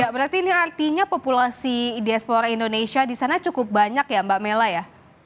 berarti ini artinya populasi idespora indonesia di sana cukup banyak ya mbak mela ya